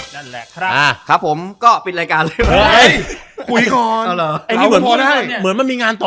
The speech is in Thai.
นั่นแหละครับครับผมก็ปิดรายการเลยค่ะคุยก่อนเหมือนมันมีงานต่อ